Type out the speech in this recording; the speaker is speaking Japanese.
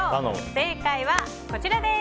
正解はこちらです。